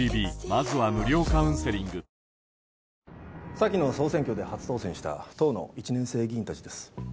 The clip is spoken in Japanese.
先の総選挙で初当選した党の１年生議員たちです。